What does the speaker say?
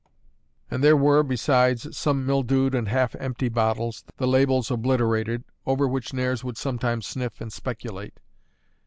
And there were, besides, some mildewed and half empty bottles, the labels obliterated, over which Nares would sometimes sniff and speculate.